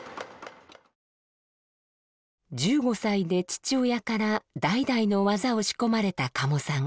１５歳で父親から代々の技を仕込まれた加茂さん。